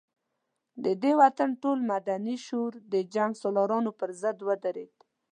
د دې وطن ټول مدني شعور د جنګ سالارانو پر ضد ودرېد.